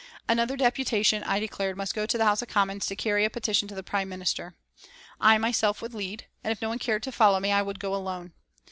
'" Another deputation, I declared, must go to the House of Commons to carry a petition to the Prime Minister. I myself would lead, and if no one cared to follow me I would go alone.